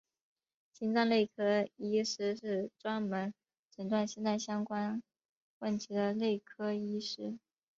心脏内科医师是专门诊断心脏相关问题的内科医师。